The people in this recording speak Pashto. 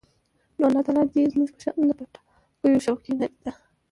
نو الله تعالی دې زموږ په شان د پټاکیو شوقي، نادیده